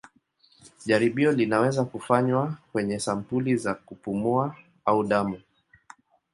Jaribio linaweza kufanywa kwenye sampuli za kupumua au damu.